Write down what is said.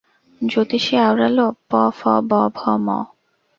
জ্যোতিষী আওড়াল, প, ফ, ব, ভ, ম।